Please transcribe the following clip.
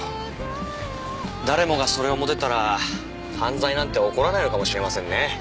誰もがそれを持てたら犯罪なんて起こらないのかもしれませんね。